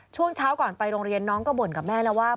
ช่วงเช้าก่อนไปโรงเรียนน้องก็บ่นกับแม่แล้วว่า